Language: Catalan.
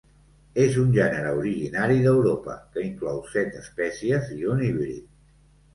És un gènere originari d'Europa que inclou set espècies i un híbrid.